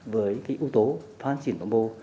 với ưu tố phát triển của mô